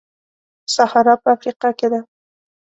سهارا په افریقا کې ده.